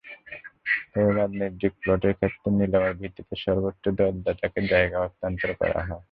তবে বাণিজ্যিক প্লটের ক্ষেত্রে নিলামের ভিত্তিতে সর্বোচ্চ দরদাতাকে জায়গা হস্তান্তর করা হয়।